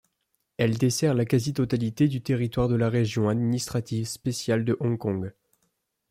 Elle dessert la quasi-totalité du territoire de la région administrative spéciale de Hong Kong.